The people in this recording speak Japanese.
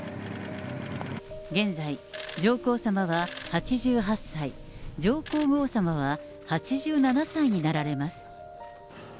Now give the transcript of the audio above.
現在、上皇さまは８８歳、上皇后さまは８７歳になられます。